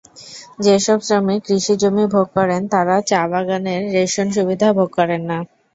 যেসব শ্রমিক কৃষিজমি ভোগ করেন, তাঁরা চা-বাগানের রেশন-সুবিধা ভোগ করেন না।